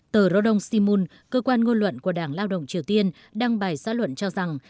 tờ rodong simun cơ quan ngôn luận của đảng lao động triều tiên đăng bài xã luận cho rằng